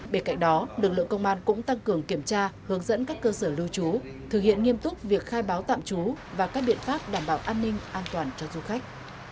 bên cạnh đó lực lượng công an cũng tăng cường kiểm tra hướng dẫn các cơ sở lưu trú thực hiện nghiêm túc việc khai báo tạm trú và các biện pháp đảm bảo an ninh an toàn cho du khách